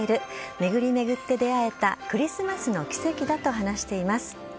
巡り巡って出会えたクリスマスの奇跡だと話しています。